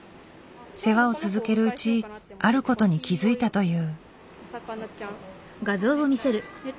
世話を続けるうちあることに気付いたという。